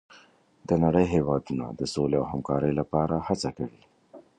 د نړۍ هېوادونه د سولې او همکارۍ لپاره هڅه کوي.